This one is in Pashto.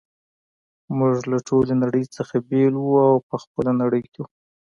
موږ له ټولې نړۍ څخه بیل وو او په خپله نړۍ کي وو.